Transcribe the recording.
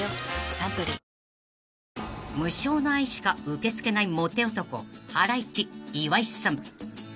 サントリー［無償の愛しか受け付けないモテ男ハライチ岩井さん］